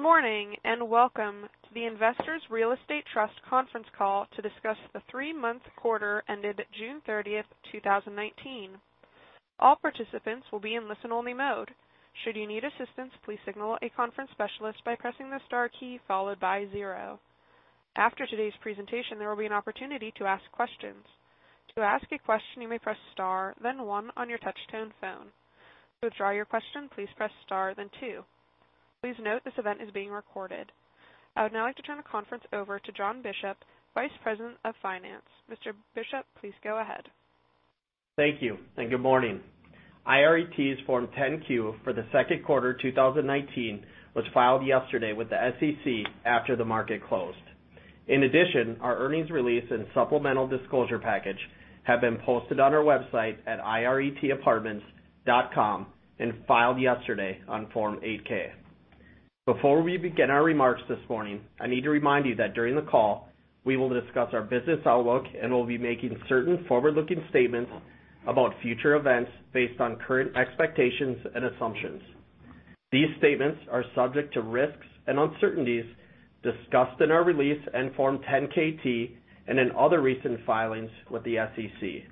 Good morning, and welcome to the Investors Real Estate Trust conference call to discuss the 3-month quarter ended June 30th, 2019. All participants will be in listen-only mode. Should you need assistance, please signal a conference specialist by pressing the star key followed by zero. After today's presentation, there will be an opportunity to ask questions. To ask a question, you may press star, then one on your touch-tone phone. To withdraw your question, please press star, then two. Please note this event is being recorded. I would now like to turn the conference over to John Bishop, Vice President of Finance. Mr. Bishop, please go ahead. Thank you, and good morning. IRET's Form 10-Q for the second quarter 2019 was filed yesterday with the SEC after the market closed. In addition, our earnings release and supplemental disclosure package have been posted on our website at iretapartments.com and filed yesterday on Form 8-K. Before we begin our remarks this morning, I need to remind you that during the call, we will discuss our business outlook and will be making certain forward-looking statements about future events based on current expectations and assumptions. These statements are subject to risks and uncertainties discussed in our release in Form 10-K and in other recent filings with the SEC.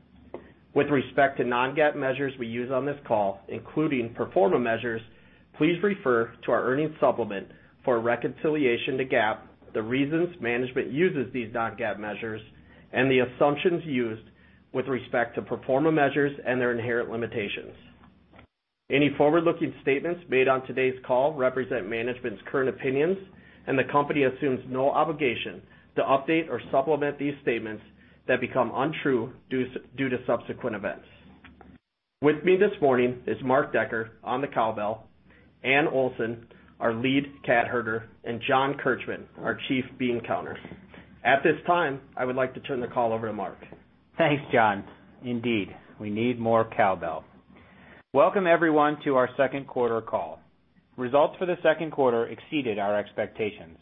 With respect to non-GAAP measures we use on this call, including pro forma measures, please refer to our earnings supplement for a reconciliation to GAAP, the reasons management uses these non-GAAP measures, and the assumptions used with respect to pro forma measures and their inherent limitations. Any forward-looking statements made on today's call represent management's current opinions, and the company assumes no obligation to update or supplement these statements that become untrue due to subsequent events. With me this morning is Mark Decker on the cowbell, Anne Olson, our lead cat herder, and John Kirchmann, our chief bean counter. At this time, I would like to turn the call over to Mark. Thanks, John. Indeed, we need more cowbell. Welcome, everyone, to our second quarter call. Results for the second quarter exceeded our expectations,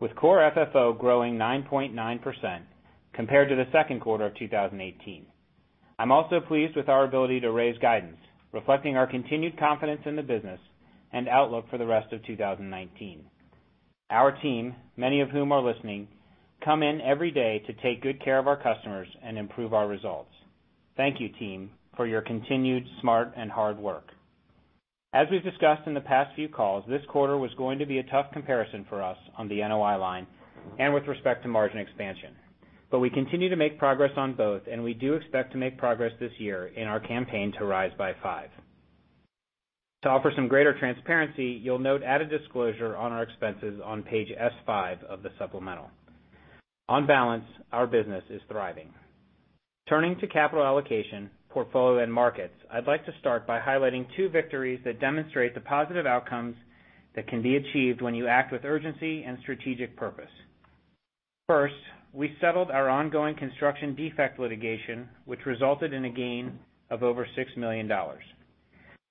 with Core FFO growing 9.9% compared to the second quarter of 2018. I'm also pleased with our ability to raise guidance, reflecting our continued confidence in the business and outlook for the rest of 2019. Our team, many of whom are listening, come in every day to take good care of our customers and improve our results. Thank you, team, for your continued smart and hard work. As we've discussed in the past few calls, this quarter was going to be a tough comparison for us on the NOI line and with respect to margin expansion. We continue to make progress on both, and we do expect to make progress this year in our campaign to Rise by Five. To offer some greater transparency, you will note added disclosure on our expenses on page S5 of the supplemental. On balance, our business is thriving. Turning to capital allocation, portfolio, and markets, I would like to start by highlighting two victories that demonstrate the positive outcomes that can be achieved when you act with urgency and strategic purpose. First, we settled our ongoing construction defect litigation, which resulted in a gain of over $6 million.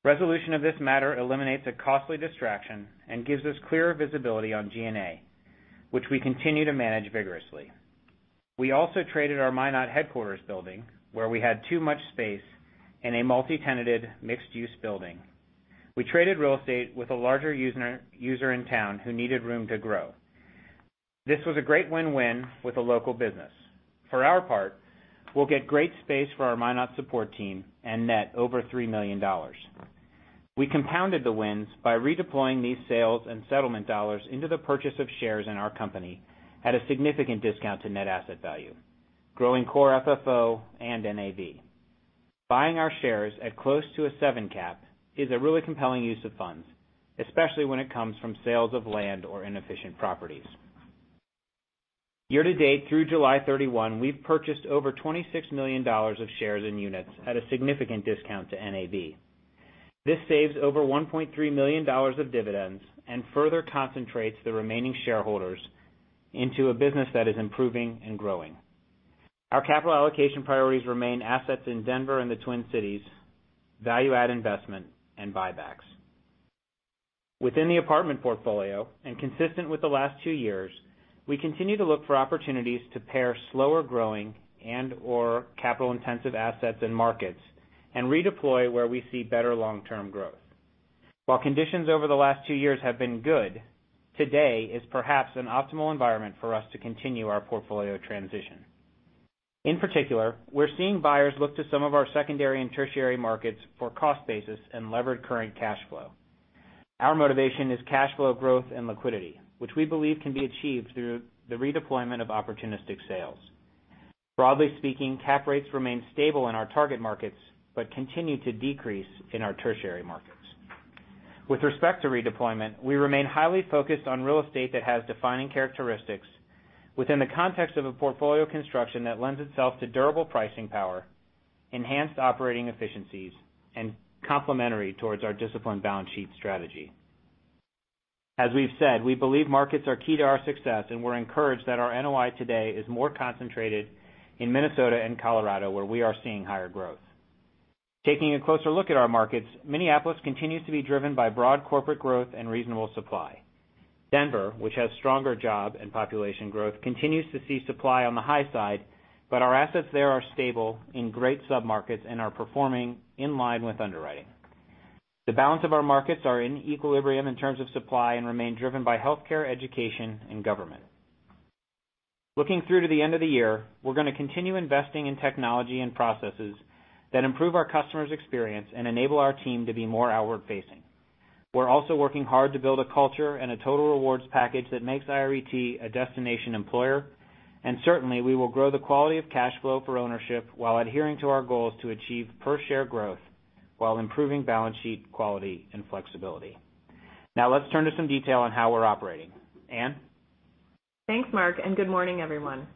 Resolution of this matter eliminates a costly distraction and gives us clearer visibility on G&A, which we continue to manage vigorously. We also traded our Minot headquarters building, where we had too much space in a multi-tenanted mixed-use building. We traded real estate with a larger user in town who needed room to grow. This was a great win-win with a local business. For our part, we'll get great space for our Minot support team and net over $3 million. We compounded the wins by redeploying these sales and settlement dollars into the purchase of shares in our company at a significant discount to net asset value, growing Core FFO and NAV. Buying our shares at close to a 7 cap is a really compelling use of funds, especially when it comes from sales of land or inefficient properties. Year-to-date, through July 31, we've purchased over $26 million of shares and units at a significant discount to NAV. This saves over $1.3 million of dividends and further concentrates the remaining shareholders into a business that is improving and growing. Our capital allocation priorities remain assets in Denver and the Twin Cities, value-add investment, and buybacks. Within the apartment portfolio and consistent with the last two years, we continue to look for opportunities to pair slower-growing and/or capital-intensive assets and markets and redeploy where we see better long-term growth. While conditions over the last two years have been good, today is perhaps an optimal environment for us to continue our portfolio transition. In particular, we're seeing buyers look to some of our secondary and tertiary markets for cost basis and levered current cash flow. Our motivation is cash flow growth and liquidity, which we believe can be achieved through the redeployment of opportunistic sales. Broadly speaking, cap rates remain stable in our target markets but continue to decrease in our tertiary markets. With respect to redeployment, we remain highly focused on real estate that has defining characteristics within the context of a portfolio construction that lends itself to durable pricing power, enhanced operating efficiencies, and complementary towards our disciplined balance sheet strategy. As we've said, we believe markets are key to our success, and we're encouraged that our NOI today is more concentrated in Minnesota and Colorado, where we are seeing higher growth. Taking a closer look at our markets, Minneapolis continues to be driven by broad corporate growth and reasonable supply. Denver, which has stronger job and population growth, continues to see supply on the high side, but our assets there are stable in great submarkets and are performing in line with underwriting. The balance of our markets are in equilibrium in terms of supply and remain driven by healthcare, education, and government. Looking through to the end of the year, we're going to continue investing in technology and processes that improve our customers' experience and enable our team to be more outward-facing. We're also working hard to build a culture and a total rewards package that makes IRET a destination employer, and certainly, we will grow the quality of cash flow for ownership while adhering to our goals to achieve per share growth while improving balance sheet quality and flexibility. Now let's turn to some detail on how we're operating. Anne? Thanks, Mark. Good morning, everyone.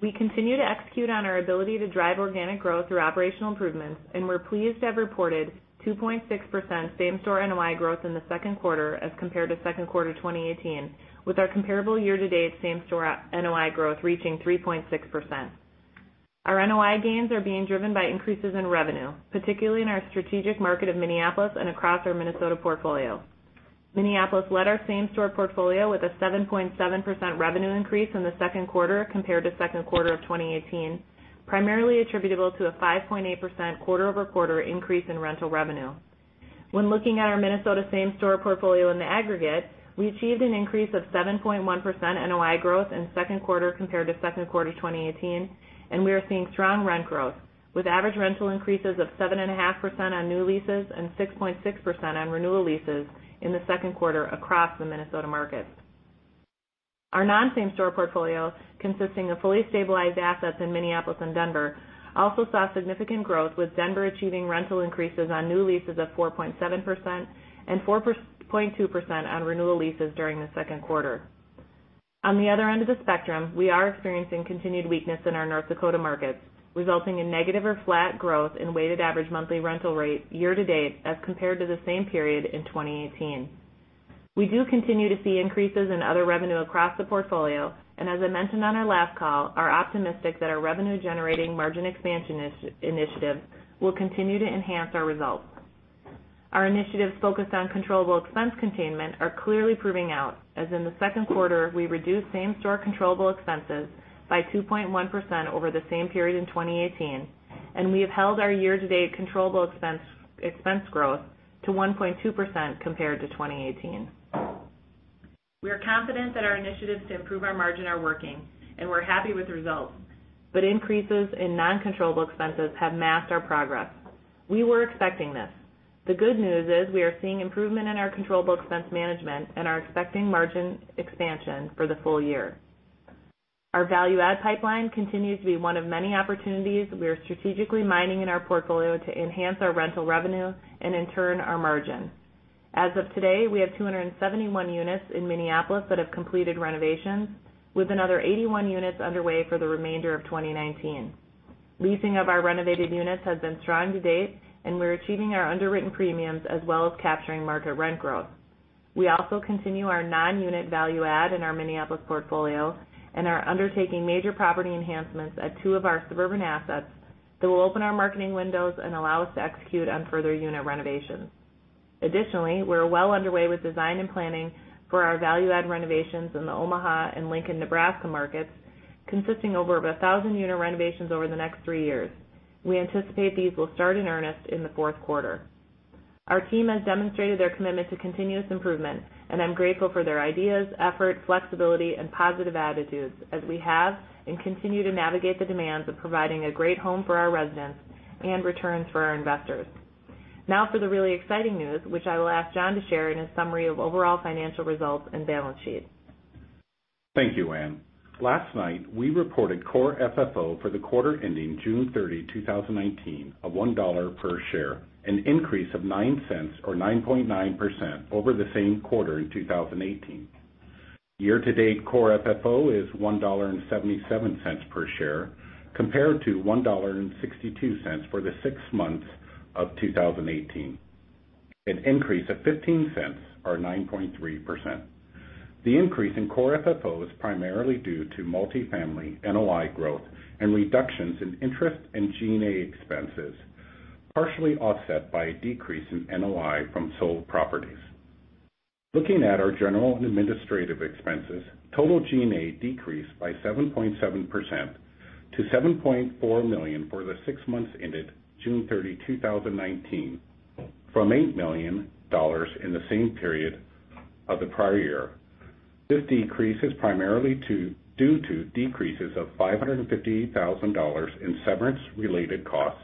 We continue to execute on our ability to drive organic growth through operational improvements, and we're pleased to have reported 2.6% Same-Store NOI growth in the second quarter as compared to second quarter 2018, with our comparable year-to-date Same-Store NOI growth reaching 3.6%. Our NOI gains are being driven by increases in revenue, particularly in our strategic market of Minneapolis and across our Minnesota portfolio. Minneapolis led our same-store portfolio with a 7.7% revenue increase in the second quarter compared to second quarter of 2018, primarily attributable to a 5.8% quarter-over-quarter increase in rental revenue. When looking at our Minnesota same-store portfolio in the aggregate, we achieved an increase of 7.1% NOI growth in the second quarter compared to second quarter 2018. We are seeing strong rent growth, with average rental increases of 7.5% on new leases and 6.6% on renewal leases in the second quarter across the Minnesota markets. Our non-same-store portfolio, consisting of fully stabilized assets in Minneapolis and Denver, also saw significant growth, with Denver achieving rental increases on new leases of 4.7% and 4.2% on renewal leases during the second quarter. On the other end of the spectrum, we are experiencing continued weakness in our North Dakota markets, resulting in negative or flat growth in weighted average monthly rental rate year-to-date as compared to the same period in 2018. We do continue to see increases in other revenue across the portfolio, and as I mentioned on our last call, are optimistic that our revenue-generating margin expansion initiative will continue to enhance our results. Our initiatives focused on controllable expense containment are clearly proving out, as in the second quarter, we reduced same-store controllable expenses by 2.1% over the same period in 2018, and we have held our year-to-date controllable expense growth to 1.2% compared to 2018. We are confident that our initiatives to improve our margin are working, and we're happy with the results, but increases in non-controllable expenses have masked our progress. We were expecting this. The good news is we are seeing improvement in our controllable expense management and are expecting margin expansion for the full year. Our value-add pipeline continues to be one of many opportunities we are strategically mining in our portfolio to enhance our rental revenue and in turn, our margin. As of today, we have 271 units in Minneapolis that have completed renovations, with another 81 units underway for the remainder of 2019. Leasing of our renovated units has been strong to date, we're achieving our underwritten premiums as well as capturing market rent growth. We also continue our non-unit value-add in our Minneapolis portfolio and are undertaking major property enhancements at two of our suburban assets that will open our marketing windows and allow us to execute on further unit renovations. Additionally, we're well underway with design and planning for our value-add renovations in the Omaha and Lincoln, Nebraska markets, consisting over of 1,000 unit renovations over the next three years. We anticipate these will start in earnest in the fourth quarter. Our team has demonstrated their commitment to continuous improvement. I'm grateful for their ideas, effort, flexibility, and positive attitudes as we have and continue to navigate the demands of providing a great home for our residents and returns for our investors. Now for the really exciting news, which I will ask John to share in his summary of overall financial results and balance sheet. Thank you, Anne. Last night, we reported Core FFO for the quarter ending June 30, 2019, of $1 per share, an increase of $0.09 or 9.9% over the same quarter in 2018. Year-to-date Core FFO is $1.77 per share, compared to $1.62 for the six months of 2018, an increase of $0.15 or 9.3%. The increase in Core FFO is primarily due to multifamily NOI growth and reductions in interest in G&A expenses, partially offset by a decrease in NOI from sold properties. Looking at our general and administrative expenses, total G&A decreased by 7.7% to $7.4 million for the six months ended June 30, 2019, from $8 million in the same period of the prior year. This decrease is primarily due to decreases of $550,000 in severance-related costs,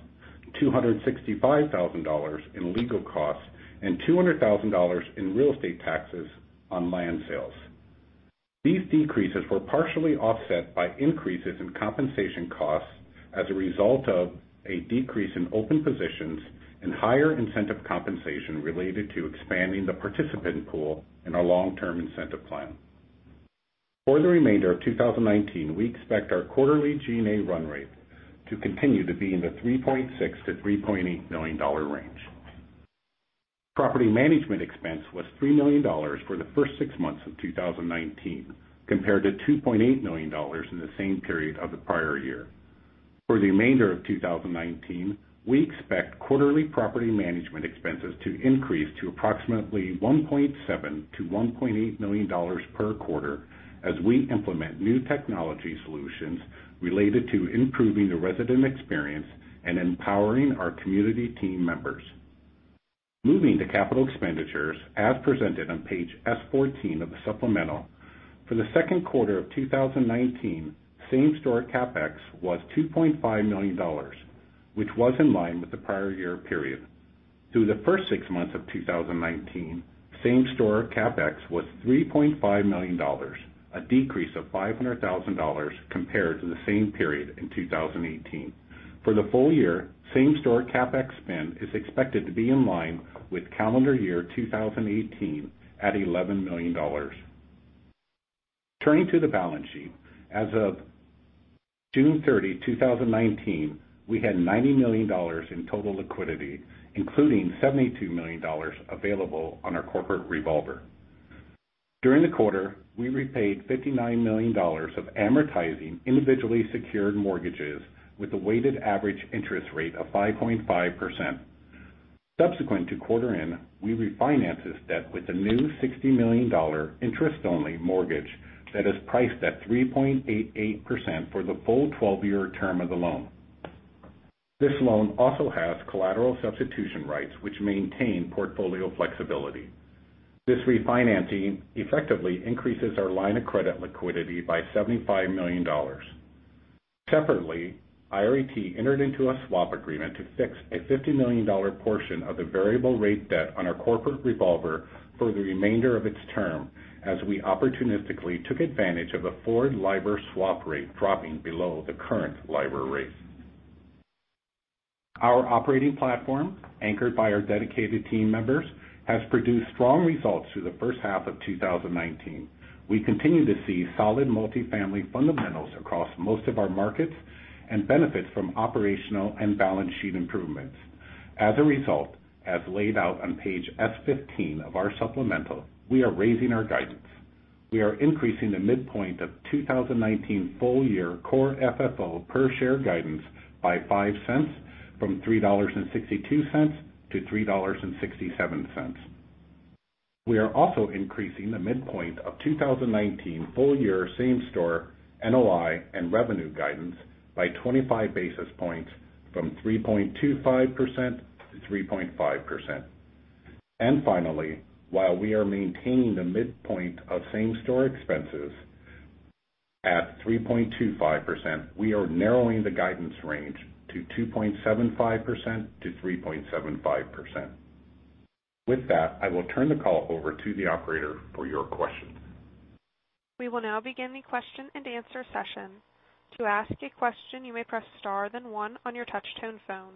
$265,000 in legal costs, and $200,000 in real estate taxes on land sales. These decreases were partially offset by increases in compensation costs as a result of a decrease in open positions and higher incentive compensation related to expanding the participant pool in our long-term incentive plan. For the remainder of 2019, we expect our quarterly G&A run rate to continue to be in the $3.6 million-$3.8 million range. Property management expense was $3 million for the first six months of 2019, compared to $2.8 million in the same period of the prior year. For the remainder of 2019, we expect quarterly property management expenses to increase to approximately $1.7 million-$1.8 million per quarter as we implement new technology solutions related to improving the resident experience and empowering our community team members Moving to capital expenditures as presented on page S14 of the supplemental. For the second quarter of 2019, Same-Store CapEx was $2.5 million, which was in line with the prior year period. Through the first six months of 2019, Same-Store CapEx was $3.5 million, a decrease of $500,000 compared to the same period in 2018. For the full year, Same-Store CapEx spend is expected to be in line with calendar year 2018 at $11 million. Turning to the balance sheet. As of June 30, 2019, we had $90 million in total liquidity, including $72 million available on our corporate revolver. During the quarter, we repaid $59 million of amortizing individually secured mortgages with a weighted average interest rate of 5.5%. Subsequent to quarter end, we refinanced this debt with a new $60 million interest-only mortgage that is priced at 3.88% for the full 12-year term of the loan. This loan also has collateral substitution rights, which maintain portfolio flexibility. This refinancing effectively increases our line of credit liquidity by $75 million. Separately, IRET entered into a swap agreement to fix a $50 million portion of the variable rate debt on our corporate revolver for the remainder of its term, as we opportunistically took advantage of the forward LIBOR swap rate dropping below the current LIBOR rate. Our operating platform, anchored by our dedicated team members, has produced strong results through the first half of 2019. We continue to see solid multifamily fundamentals across most of our markets and benefit from operational and balance sheet improvements. As a result, as laid out on page S15 of our supplemental, we are raising our guidance. We are increasing the midpoint of 2019 full-year Core FFO per share guidance by $0.05 from $3.62 to $3.67. We are also increasing the midpoint of 2019 full-year Same-Store NOI and revenue guidance by 25 basis points from 3.25%-3.5%. Finally, while we are maintaining the midpoint of same-store expenses at 3.25%, we are narrowing the guidance range to 2.75%-3.75%. With that, I will turn the call over to the operator for your questions. We will now begin the question and answer session. To ask a question, you may press star, then one on your touch-tone phone.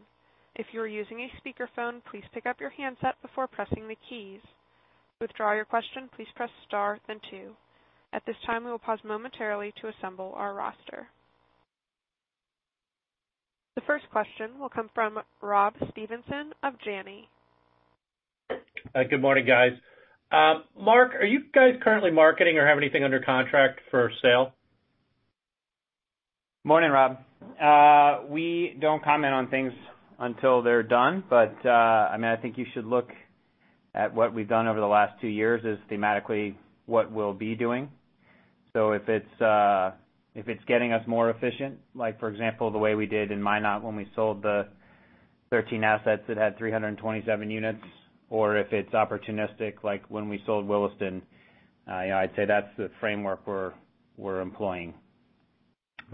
If you are using a speakerphone, please pick up your handset before pressing the keys. To withdraw your question, please press star then two. At this time, we will pause momentarily to assemble our roster. The first question will come from Rob Stevenson of Janney. Hi, good morning, guys. Mark, are you guys currently marketing or have anything under contract for sale? Morning, Rob. I think you should look at what we've done over the last two years as thematically what we'll be doing. If it's getting us more efficient, like for example, the way we did in Minot when we sold the 13 assets that had 327 units, or if it's opportunistic, like when we sold Williston, I'd say that's the framework we're employing.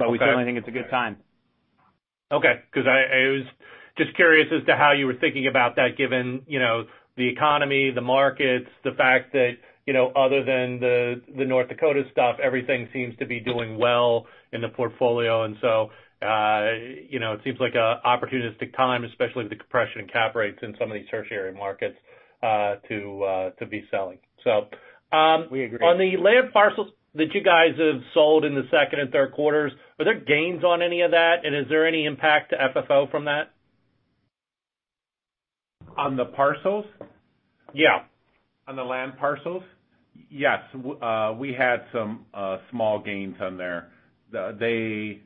Okay. We certainly think it's a good time. I was just curious as to how you were thinking about that, given the economy, the markets, the fact that other than the North Dakota stuff, everything seems to be doing well in the portfolio. It seems like an opportunistic time, especially with the compression in cap rates in some of these tertiary markets, to be selling. We agree. On the land parcels that you guys have sold in the second and third quarters, are there gains on any of that? Is there any impact to FFO from that? On the parcels? Yeah. On the land parcels? Yes. We had some small gains on there. A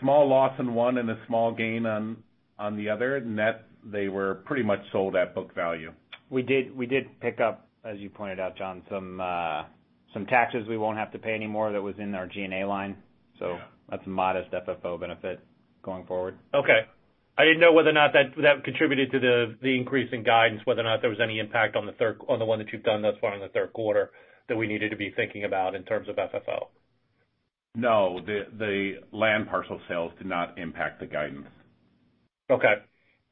small loss on one and a small gain on the other. Net, they were pretty much sold at book value. We did pick up, as you pointed out, John, some taxes we won't have to pay anymore that was in our G&A line. Yeah. That's a modest FFO benefit going forward. Okay. I didn't know whether or not that contributed to the increase in guidance, whether or not there was any impact on the one that you've done thus far in the third quarter that we needed to be thinking about in terms of FFO. No, the land parcel sales did not impact the guidance. Okay.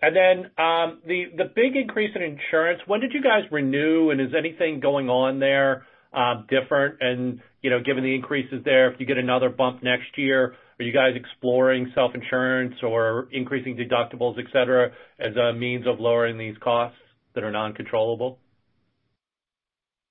The big increase in insurance, when did you guys renew, and is anything going on there different and given the increases there, if you get another bump next year, are you guys exploring self-insurance or increasing deductibles, et cetera, as a means of lowering these costs that are non-controllable?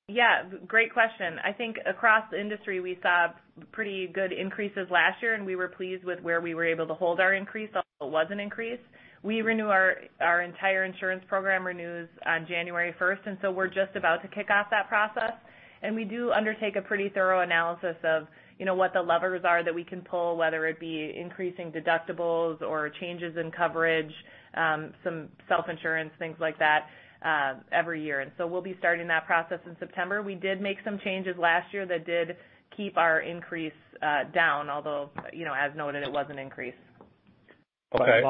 Yeah, great question. I think across the industry, we saw pretty good increases last year, and we were pleased with where we were able to hold our increase, although it was an increase. We renew our entire insurance program renews on January 1st, and so we're just about to kick off that process, and we do undertake a pretty thorough analysis of what the levers are that we can pull, whether it be increasing deductibles or changes in coverage, some self-insurance, things like that every year. We'll be starting that process in September. We did make some changes last year that did keep our increase down, although, as noted, it was an increase. Okay.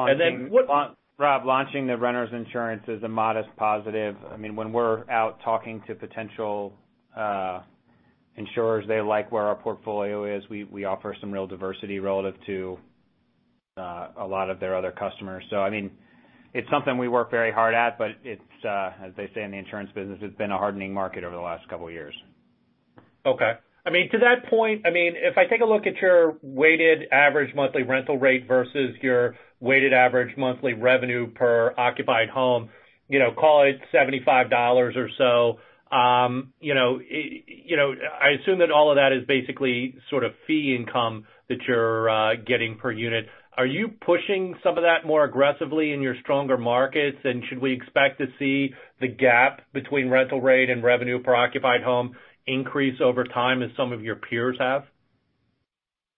Rob, launching the renters insurance is a modest positive. When we're out talking to potential insurers, they like where our portfolio is. We offer some real diversity relative to a lot of their other customers. It's something we work very hard at, but it's, as they say in the insurance business, it's been a hardening market over the last couple of years. Okay. To that point, if I take a look at your weighted average monthly rental rate versus your weighted average monthly revenue per occupied home, call it $75 or so. I assume that all of that is basically fee income that you're getting per unit. Are you pushing some of that more aggressively in your stronger markets? Should we expect to see the gap between rental rate and revenue per occupied home increase over time as some of your peers have?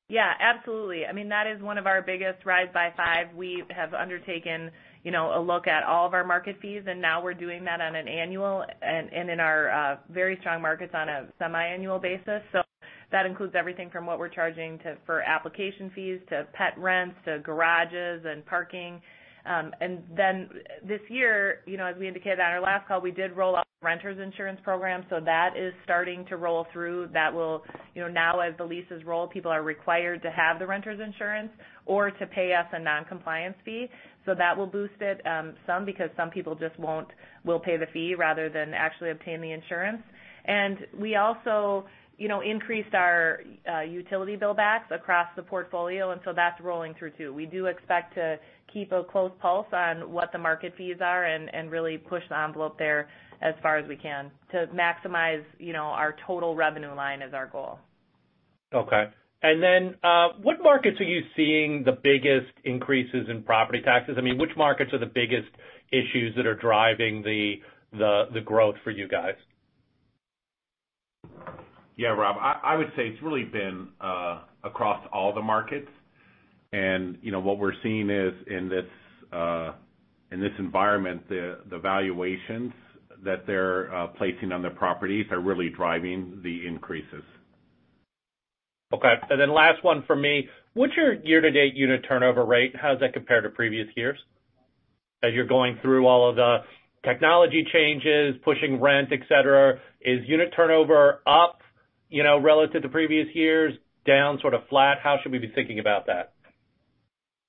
Yeah, absolutely. That is one of our biggest Rise by Five. We have undertaken a look at all of our market fees, and now we're doing that on an annual and in our very strong markets on a semi-annual basis. That includes everything from what we're charging to, for application fees, to pet rents, to garages and parking. This year, as we indicated on our last call, we did roll out the renters insurance program, so that is starting to roll through. That will, now as the leases roll, people are required to have the renters insurance or to pay us a non-compliance fee. That will boost it some because some people just will pay the fee rather than actually obtain the insurance. We also increased our utility bill backs across the portfolio, so that's rolling through too. We do expect to keep a close pulse on what the market fees are and really push the envelope there as far as we can to maximize our total revenue line as our goal. Okay. What markets are you seeing the biggest increases in property taxes? Which markets are the biggest issues that are driving the growth for you guys? Yeah, Rob, I would say it's really been across all the markets. What we're seeing is in this environment, the valuations that they're placing on the properties are really driving the increases. Okay. Last one from me. What's your year-to-date unit turnover rate? How does that compare to previous years? As you're going through all of the technology changes, pushing rent, et cetera, is unit turnover up, relative to previous years, down sort of flat? How should we be thinking about that?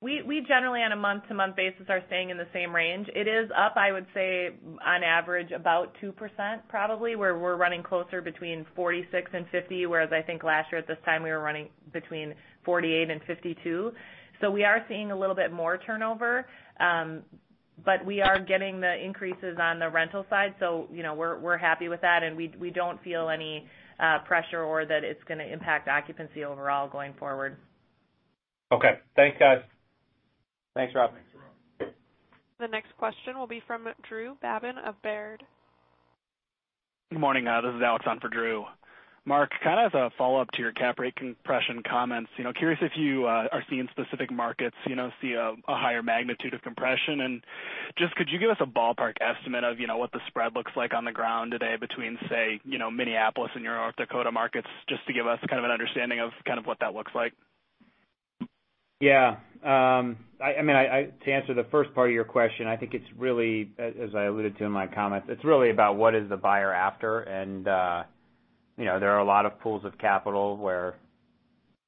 We generally on a month-to-month basis are staying in the same range. It is up, I would say on average about 2%, probably, where we're running closer between 46 and 50, whereas I think last year at this time, we were running between 48 and 52. We are seeing a little bit more turnover, but we are getting the increases on the rental side, so we're happy with that, and we don't feel any pressure or that it's going to impact occupancy overall going forward. Okay. Thanks, guys. Thanks, Rob. Thanks, Rob. The next question will be from Drew Babin of Baird. Good morning. This is Alexander for Drew. Mark, kind of as a follow-up to your cap rate compression comments, curious if you are seeing specific markets, see a higher magnitude of compression. Just, could you give us a ballpark estimate of what the spread looks like on the ground today between, say, Minneapolis and your North Dakota markets, just to give us kind of an understanding of kind of what that looks like? Yeah. To answer the first part of your question, I think it's really, as I alluded to in my comments, it's really about what is the buyer after. There are a lot of pools of capital where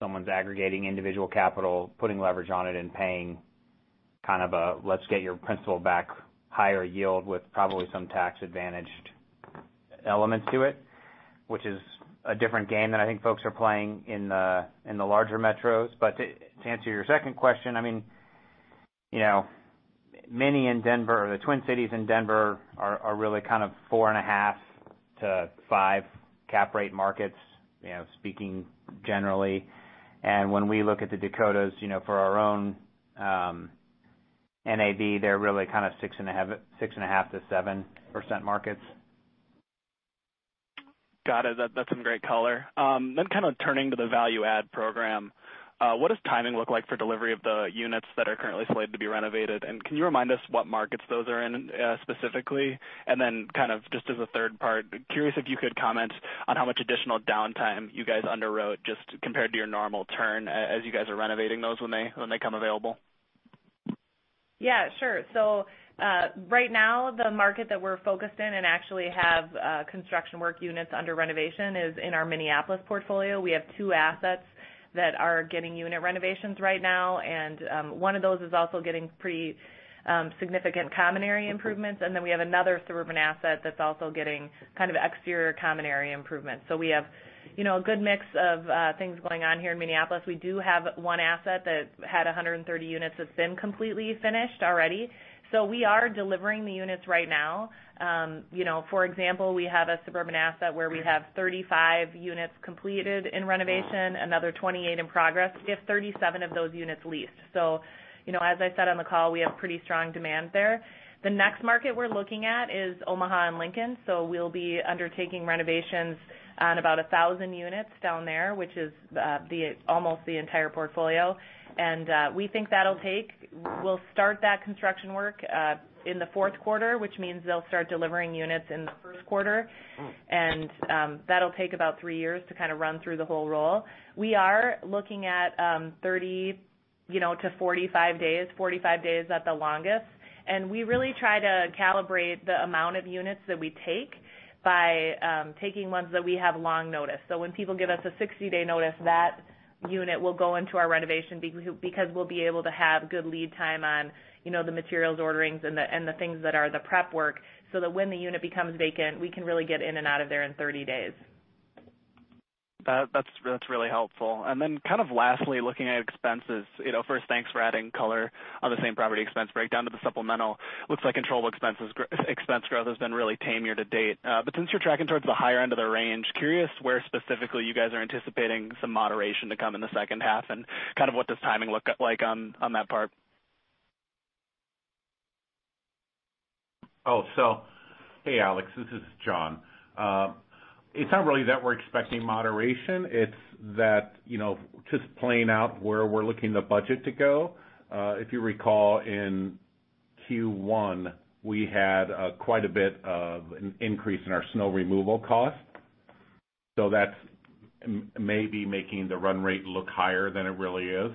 someone's aggregating individual capital, putting leverage on it, and paying kind of a, let's get your principal back higher yield with probably some tax-advantaged element to it, which is a different game than I think folks are playing in the larger metros. To answer your second question, many in Denver or the Twin Cities in Denver are really kind of 4.5%-5% cap rate markets, speaking generally. When we look at the Dakotas for our own NAV, they're really kind of 6.5%-7% markets. Got it. That's some great color. Kind of turning to the value-add program. What does timing look like for delivery of the units that are currently slated to be renovated? Can you remind us what markets those are in, specifically? Kind of just as a third part, curious if you could comment on how much additional downtime you guys underwrote just compared to your normal turn, as you guys are renovating those when they come available? Yeah, sure. Right now the market that we're focused in and actually have construction work units under renovation is in our Minneapolis portfolio. We have two assets that are getting unit renovations right now, and one of those is also getting pretty significant common area improvements, and then we have another suburban asset that's also getting kind of exterior common area improvements. We have a good mix of things going on here in Minneapolis. We do have one asset that had 130 units that's been completely finished already. We are delivering the units right now. For example, we have a suburban asset where we have 35 units completed in renovation, another 28 in progress. We have 37 of those units leased. As I said on the call, we have pretty strong demand there. The next market we're looking at is Omaha and Lincoln, so we'll be undertaking renovations on about 1,000 units down there, which is almost the entire portfolio. We'll start that construction work in the fourth quarter, which means they'll start delivering units in the first quarter. That'll take about three years to kind of run through the whole roll. We are looking at 30 to 45 days. 45 days at the longest. We really try to calibrate the amount of units that we take by taking ones that we have long notice. When people give us a 60-day notice, that unit will go into our renovation because we'll be able to have good lead time on the materials orderings and the things that are the prep work, so that when the unit becomes vacant, we can really get in and out of there in 30 days. That's really helpful. Kind of lastly, looking at expenses. First, thanks for adding color on the Same-Store expense breakdown to the supplemental. Looks like controllable expense growth has been really tame year-to-date. Since you're tracking towards the higher end of the range, curious where specifically you guys are anticipating some moderation to come in the second half, and kind of what does timing look like on that part? Hey Alexander, this is John. It's not really that we're expecting moderation. It's that just playing out where we're looking the budget to go. If you recall, in Q1, we had quite a bit of an increase in our snow removal cost. That's maybe making the run rate look higher than it really is.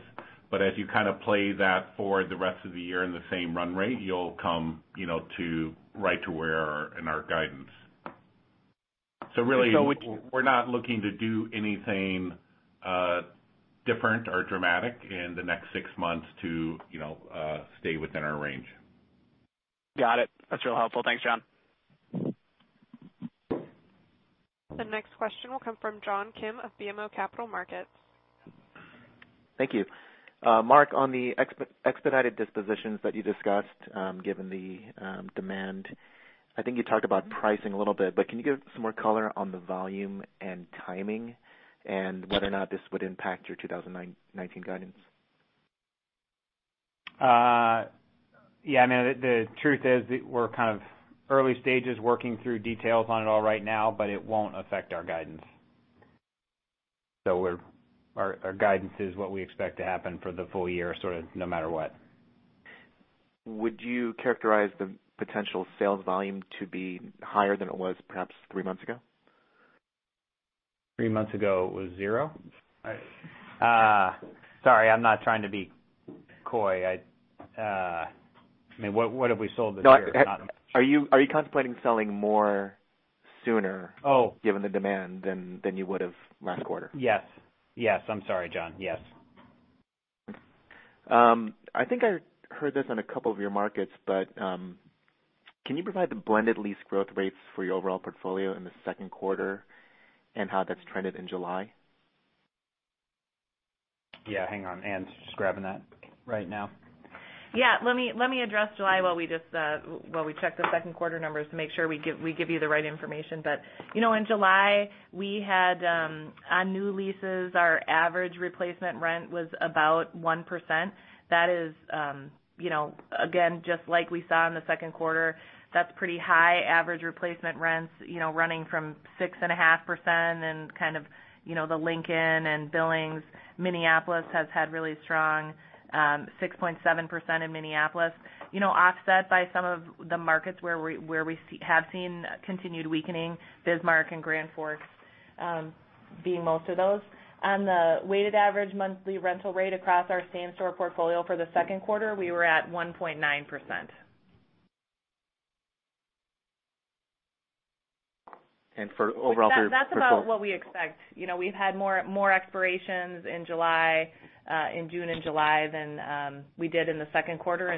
As you kind of play that forward the rest of the year in the same run rate, you'll come right to where in our guidance. So would you- We're not looking to do anything different or dramatic in the next six months to stay within our range. Got it. That's real helpful. Thanks, John. The next question will come from John Kim of BMO Capital Markets. Thank you. Mark, on the expedited dispositions that you discussed, given the demand, I think you talked about pricing a little bit, but can you give some more color on the volume and timing and whether or not this would impact your 2019 guidance? Yeah, no, the truth is that we're kind of early stages working through details on it all right now, but it won't affect our guidance. Our guidance is what we expect to happen for the full year, sort of no matter what. Would you characterize the potential sales volume to be higher than it was perhaps three months ago? Three months ago, it was zero. Right. Sorry, I'm not trying to be coy. What have we sold this year? Not much. Are you contemplating selling more sooner? Oh given the demand than you would have last quarter? Yes. I'm sorry, John. Yes. I think I heard this on a couple of your markets, but can you provide the blended lease growth rates for your overall portfolio in the second quarter and how that's trended in July? Yeah, hang on. Anne's just grabbing that right now. Yeah. Let me address July while we check the second quarter numbers to make sure we give you the right information. In July, we had on new leases, our average replacement rent was about 1%. That is, again, just like we saw in the second quarter, that's pretty high average replacement rents running from 6.5% and kind of the Lincoln and Billings. Minneapolis has had really strong, 6.7% in Minneapolis. Offset by some of the markets where we have seen continued weakening, Bismarck and Grand Forks being most of those. On the weighted average monthly rental rate across our same-store portfolio for the second quarter, we were at 1.9%. For overall portfolio? That's about what we expect. We've had more expirations in June and July than we did in the second quarter,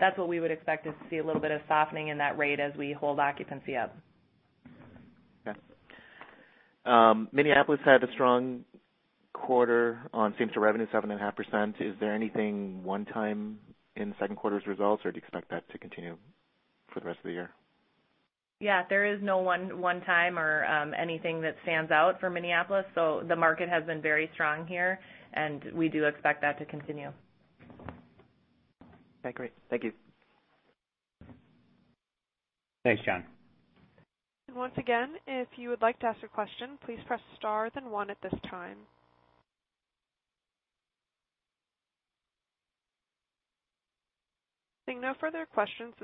that's what we would expect, is to see a little bit of softening in that rate as we hold occupancy up. Okay. Minneapolis had a strong quarter on Same-Store revenue, 7.5%. Is there anything one-time in the second quarter's results, or do you expect that to continue for the rest of the year? Yeah, there is no one-time or anything that stands out for Minneapolis. The market has been very strong here, and we do expect that to continue. Okay, great. Thank you. Thanks, John. Once again, if you would like to ask a question, please press star, then one at this time. Seeing no further questions,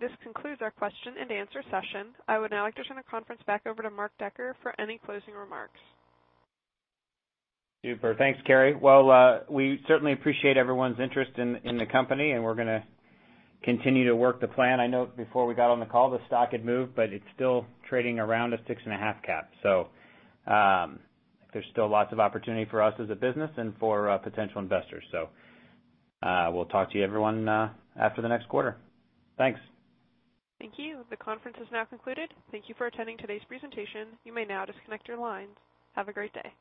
this concludes our question and answer session. I would now like to turn the conference back over to Mark Decker for any closing remarks. Super. Thanks, Carrie. Well, we certainly appreciate everyone's interest in the company. We're going to continue to work the plan. I know before we got on the call, the stock had moved. It's still trading around a 6.5 cap. There's still lots of opportunity for us as a business and for potential investors. We'll talk to you everyone after the next quarter. Thanks. Thank you. The conference is now concluded. Thank you for attending today's presentation. You may now disconnect your lines. Have a great day.